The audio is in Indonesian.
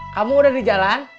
kamu udah di jalan